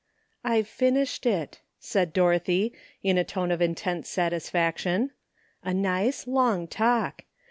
"I've finished it," said Dorothy, in a tone of intense satisfaction; "a nice long talk.